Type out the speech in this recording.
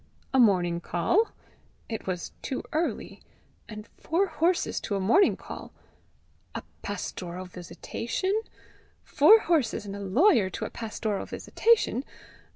A morning call? It was too early. And four horses to a morning call! A pastoral visitation? Four horses and a lawyer to a pastoral visitation!